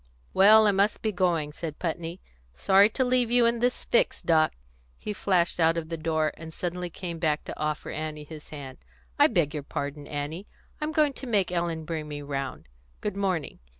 "Well, I must be going," said Putney. "Sorry to leave you in this fix, Doc." He flashed out of the door, and suddenly came back to offer Annie his hand. "I beg your pardon, Annie. I'm going to make Ellen bring me round. Good morning."